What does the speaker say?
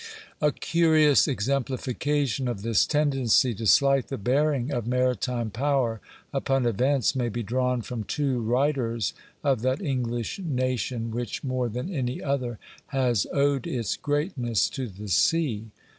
A curious exemplification of this tendency to slight the bearing of maritime power upon events may be drawn from two writers of that English nation which more than any other has owed its greatness to the sea.